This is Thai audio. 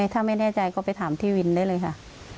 ถ้าไม่แน่ใจก็ไปถามพี่วินได้เลยค่ะ